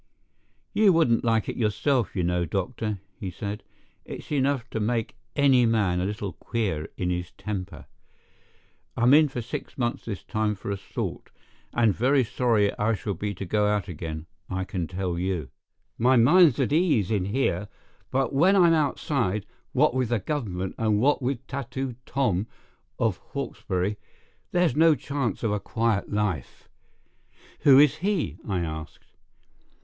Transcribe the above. "You wouldn't like it yourself, you know, doctor," he said: "it's enough to make any man a little queer in his temper. I'm in for six months this time for assault, and very sorry I shall be to go out again, I can tell you. My mind's at ease in here; but when I'm outside, what with the government and what with Tattooed Tom, of Hawkesbury, there's no chance of a quiet life." "Who is he?" I asked.